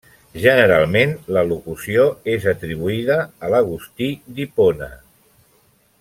Generalment, la locució és atribuïda a l'Agustí d'Hipona.